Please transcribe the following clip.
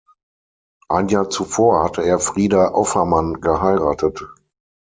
Ein Jahr zuvor hatte er Frieda Offermann geheiratet.